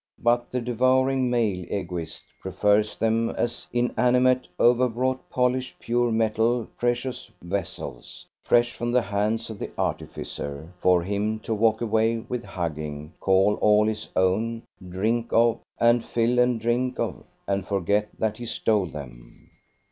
But the devouring male Egoist prefers them as inanimate overwrought polished pure metal precious vessels, fresh from the hands of the artificer, for him to walk away with hugging, call all his own, drink of, and fill and drink of, and forget that he stole them.